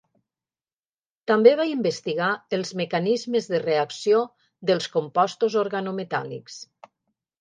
També va investigar els mecanismes de reacció dels composts organometàl·lics.